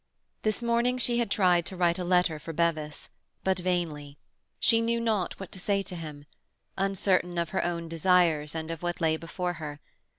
This morning she had tried to write a letter for Bevis, but vainly. She knew not what to say to him, uncertain of her own desires and of what lay before her.